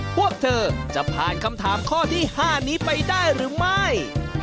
พวกเธอจะผ่านคำถามข้อที่๕นี้ไปได้หรือไม่